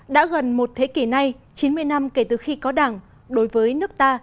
đã gần một thế kỷ nay chín mươi năm kể từ khi có đảng đối với nước ta